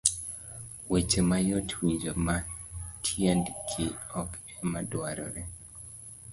Weche mayot winjo ma tiendgi ok ema dwarore.